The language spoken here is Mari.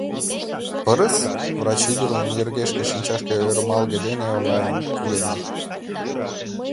— Пырыс? — врач ӱдырын йыргешке шинчаже ӧрмалгыме дене оҥайын кугеме.